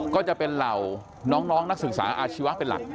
ก็จะเป็นเหล่าน้องนักศึกษาอาชีวะเป็นหลัก